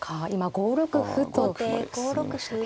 ５六歩まで進みましたか。